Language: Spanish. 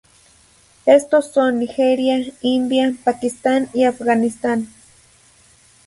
Estos son Nigeria, India, Pakistán y Afganistán.